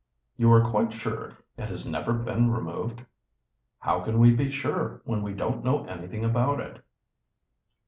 "You are quite sure it has never been removed?" "How can we be sure, when we don't know anything about it."